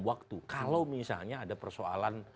waktu kalau misalnya ada persoalan